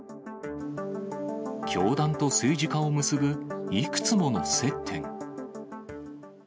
教団と政治家を結ぶいくつもの接点。